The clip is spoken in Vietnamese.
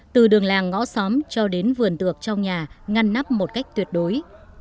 từ đường làng ngõ xóm cho đến vườn tược trong nhà ngăn nắp một cách tuyệt đối